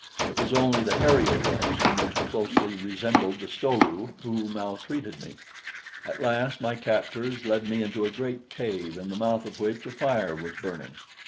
It was only the hairier ones, who most closely resembled the Sto lu, who maltreated me. At last my captors led me into a great cave in the mouth of which a fire was burning.